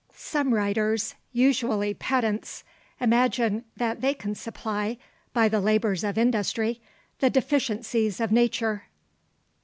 Some writers, usually pedants, imagine that they can supply, by the labours of industry, the deficiencies of nature.